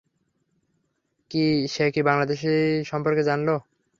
সে কীভাবে বাংলাদেশী সম্পর্কে জানলো?